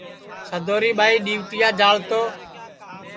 سدوری ٻائی ڈِؔوٹِیا جاݪ تو